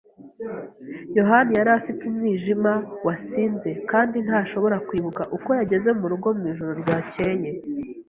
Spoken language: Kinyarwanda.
yohani yari afite umwijima wasinze kandi ntashobora kwibuka uko yageze murugo mwijoro ryakeye.